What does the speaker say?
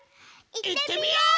いってみよう！